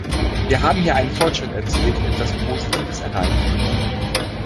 Wir haben hier einen Fortschritt erzielt und etwas Positives erreicht.